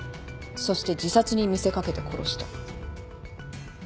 そして自殺に見せ掛けて殺した。